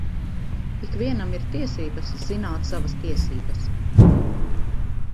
Ik vienam ir tiesības zināt savas tiesības.